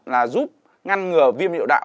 là giúp ngăn ngừa viêm liệu đạo